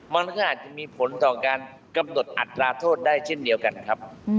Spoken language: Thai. มันก็อาจจะมีผลต่อการกำหนดอัตราโทษได้เช่นเดียวกันครับ